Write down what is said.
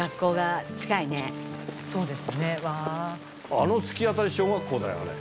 あの突き当たり小学校だよね？